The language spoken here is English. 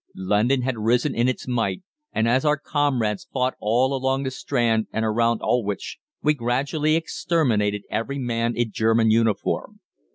London had risen in its might, and as our comrades fought all along the Strand and around Aldwych, we gradually exterminated every man in German uniform.